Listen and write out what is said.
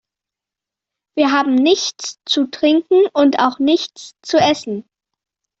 Wir haben nichts zu trinken und auch nichts zu essen.